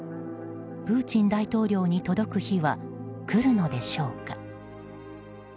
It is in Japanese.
プーチン大統領に届く日は来るのでしょうか。